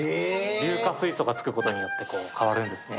硫化水素がつくことによって変わるんですね。